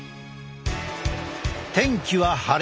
天気は晴れ。